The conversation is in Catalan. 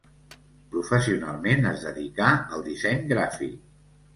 Professionalment es dedicà al disseny gràfic.